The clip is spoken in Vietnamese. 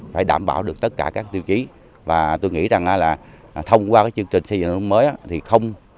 mấy năm trước tôi thất nghiệp